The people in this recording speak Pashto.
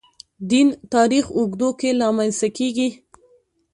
دین تاریخ اوږدو کې رامنځته کېږي.